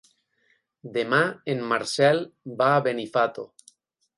Demà en Marcel va a Benifato.